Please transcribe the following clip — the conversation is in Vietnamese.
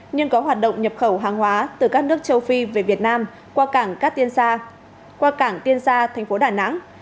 nhưng có hoạt động nhập khẩu hàng hóa từ các nước châu phi về việt nam qua cảng tiên sa thành phố đà nẵng